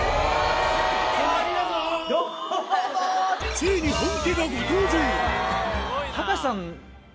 ついに本家がご登場！